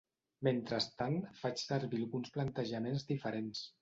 Mentrestant, faig servir alguns plantejaments diferents.